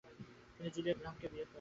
তিনি জুলিয়া গ্রান্থামকে বিবাহ করেন।